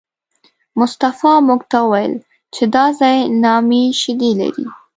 مصطفی موږ ته وویل چې دا ځای نامي شیدې لري.